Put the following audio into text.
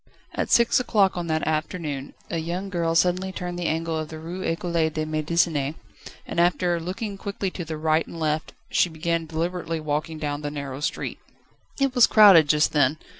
At six o'clock on that afternoon a young girl suddenly turned the angle of the Rue Ecole de Médecine, and after looking quickly to the right and left she began deliberately walking along the narrow street. It was crowded just then.